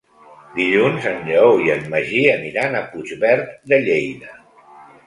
Dilluns en Lleó i en Magí aniran a Puigverd de Lleida.